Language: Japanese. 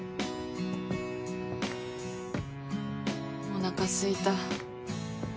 おなかすいた。